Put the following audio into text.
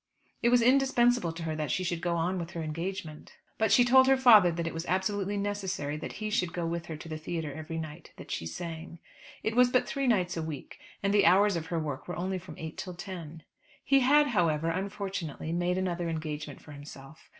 It was indispensable to her that she should go on with her engagement. But she told her father that it was absolutely necessary that he should go with her to the theatre every night that she sang. It was but three nights a week, and the hours of her work were only from eight till ten. He had, however, unfortunately made another engagement for himself.